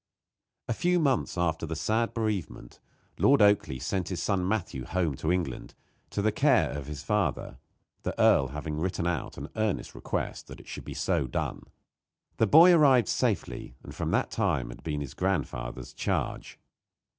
A few months after the sad bereavement Lord Oakleigh sent his son Matthew home to England, to the care of his father, the earl having written out an earnest request that it should be so done. The boy had arrived safely, and from that time had been his grandfather's charge.